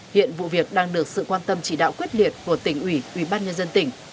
hiện vụ việc đang được sự quan tâm chỉ đạo quyết liệt của tỉnh ủy ủy ban nhân dân tỉnh